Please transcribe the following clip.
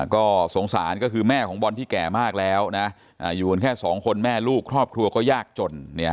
ก็สงสารก็คือแม่ของบอลที่แก่มากแล้วนะอยู่กันแค่สองคนแม่ลูกครอบครัวก็ยากจน